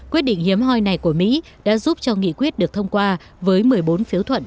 quyết định hiếm hoi này của mỹ đã giúp cho nghị quyết được thông qua với một mươi bốn phiếu thuận